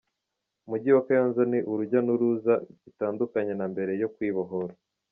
Umujyi wa Kayonza ni urujya n’uruza, bitandukanye na mbere yo kwibohora.